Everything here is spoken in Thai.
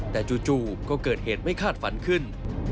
แต่จู่ก็เกิดเหตุไม่คาดฝันขึ้น